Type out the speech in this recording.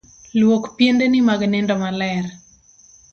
Luok piendeni mag nindo maler.